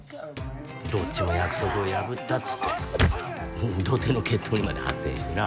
どっちも約束を破ったっつって土手の決闘にまで発展してな。